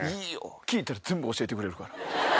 聞いたら全部教えてくれるから。